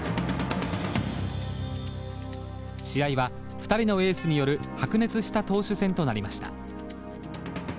試合は２人のエースによる白熱した投手戦となりました。